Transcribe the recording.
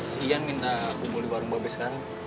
si yan minta kumpul di warung babek sekarang